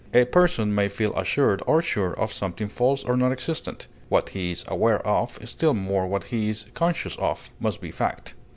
A person may feel assured or sure of something false or non existent; what he is aware of, still more what he is conscious of, must be fact.